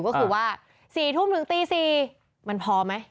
ก็คือว่า๔ทุ่มถึงตี๔มันพอไหม